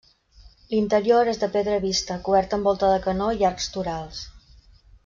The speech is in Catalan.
L'interior és de pedra vista, coberta amb volta de canó i arcs torals.